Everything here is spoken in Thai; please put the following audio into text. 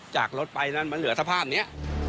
จากรถไปนั้นมันเหลือสภาพนี้